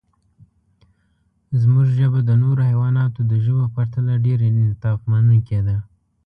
زموږ ژبه د نورو حیواناتو د ژبو په پرتله ډېر انعطافمنونکې ده.